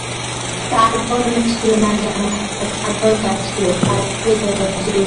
তাঁর পরনে ছিল না জামা, একটা চাদর ছিল গায়ে, তার পরিধেয়তা জীর্ণ।